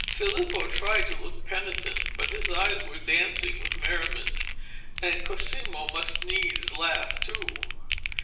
Filippo tried to look penitent, but his eyes were dancing with merriment, and Cosimo must needs laugh too.